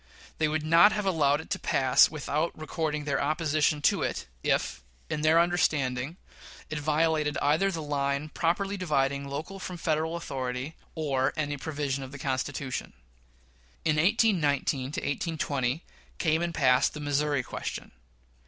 They would not have allowed it to pass without recording their opposition to it, if, in their understanding, it violated either the line properly dividing local from Federal authority, or any provision of the Constitution. In 1819 20 came and passed the Missouri question.